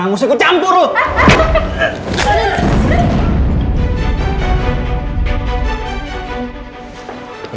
gak usah gue campur lo